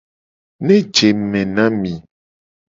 Ne je ngku me ne mi.